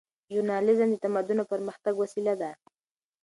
ژورنالیزم د تمدن او پرمختګ وسیله ده.